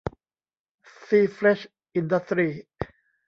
ซีเฟรชอินดัสตรี